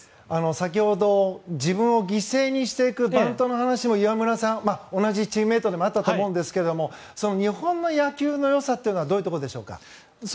先ほど自分を犠牲にしていくバントの話も岩村さん、同じチームメートでもあったと思いますが日本の野球の良さはどういうところでしょうか。